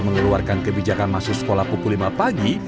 mengeluarkan kebijakan masuk sekolah pukul lima pagi